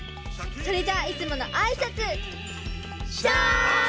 それじゃあいつものあいさつ！